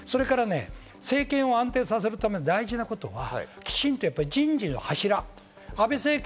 政権を安定させるために大事なことはきちんと人事の柱、安倍政権